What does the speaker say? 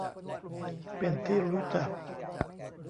เป็นที่รู้จัก